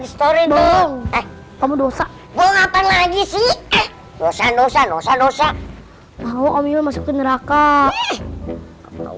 disetori dong eh kamu dosa gue ngapain lagi sih dosa dosa dosa dosa mau om yon masuk ke neraka